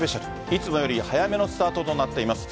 いつもより早めのスタートとなっています。